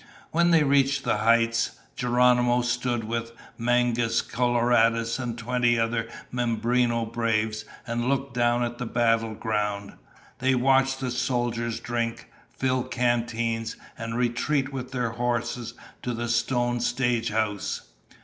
When they reached the heights, Geronimo stood with Mangus Coloradus and twenty other Mimbreno braves and looked down on the battle ground. They watched the soldiers drink, fill canteens, and retreat with their horses to the stone stagehouse.